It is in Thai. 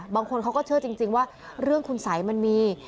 บางคนเขาก็เชื่อจริงว่าเรื่องคุณสัยมันมี